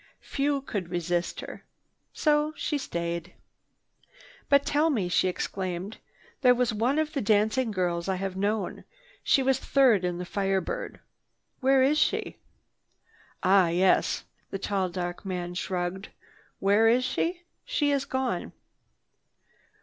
Few could resist her. So she stayed. "But tell me!" she exclaimed. "There was one of the dancing girls I have known. She was third in the Fire Bird. Where is she?" "Ah yes." The tall, dark man shrugged. "Where is she? She is gone."